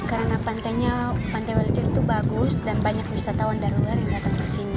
karena pantainya pantai walakiri itu bagus dan banyak wisatawan dari luar yang datang kesini